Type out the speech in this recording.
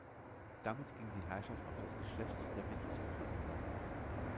Damit ging die Herrschaft auf das Geschlecht der Wittelsbacher über.